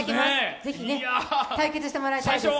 ぜひ対決してもらいたいです。